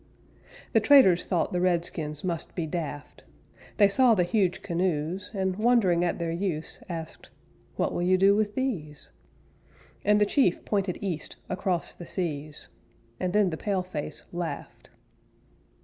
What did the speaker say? The traders thought the redskins must be daft; They saw the huge canoes, And, wondering at their use, Asked, "What will you do with these?" And the chief pointed east across the seas; And then the pale face laughed.